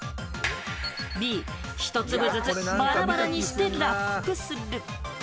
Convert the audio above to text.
Ｂ・１粒ずつバラバラにしてラップする。